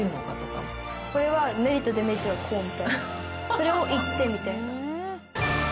それを言ってみたいな。